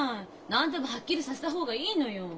何でもはっきりさせた方がいいのよ。